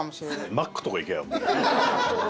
マックとか行けやもう。